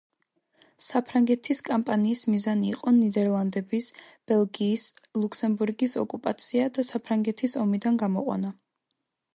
საფრანგეთის კამპანიის მიზანი იყო ნიდერლანდების, ბელგიის, ლუქსემბურგის ოკუპაცია და საფრანგეთის ომიდან გამოყვანა.